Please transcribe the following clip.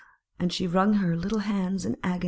And she wrung her little hands in agony.